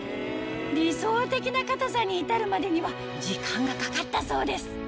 理想的な硬さに至るまでには時間がかかったそうです